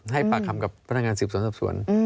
ให้ปากคำกับพนักงานสืบสวนสอบสวน